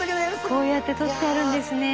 こうやって取ってあるんですね。